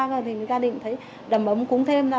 còn gia đình cũng thấy đầm ấm cúng thêm ra